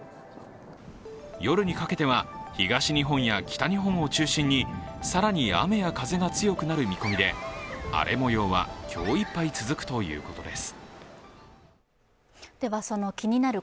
夜にかけては東日本や北日本を中心に更に雨や風が強くなる見込みで荒れもようは今日いっぱい続くということです。